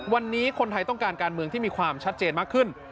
วันนี้คนไทยต้องการการเมืองที่มีความชัดเจนมากขึ้น